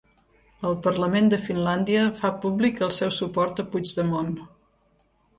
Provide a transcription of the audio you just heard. El Parlament de Finlàndia fa públic el seu suport a Puigdemont